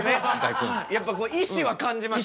やっぱ意志は感じました。